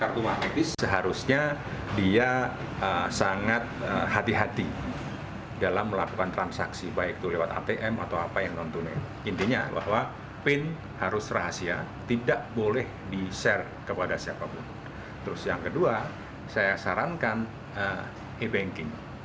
terus yang kedua saya sarankan e banking